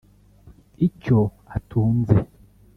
icyo atunze